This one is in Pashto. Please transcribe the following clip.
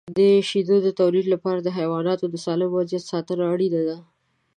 د شیدو د تولید لپاره د حیواناتو د سالم وضعیت ساتنه اړینه ده.